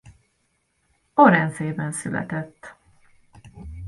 Ourensében született.